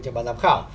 trên ban giám khảo